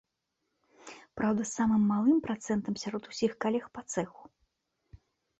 Праўда, з самым малым працэнтаў сярод усіх калег па цэху.